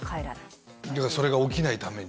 だからそれが起きないために。